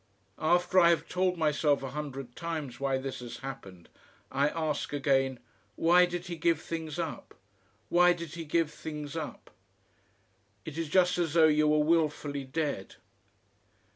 "After I have told myself a hundred times why this has happened, I ask again, 'Why did he give things up? Why did he give things up?'... "It is just as though you were wilfully dead....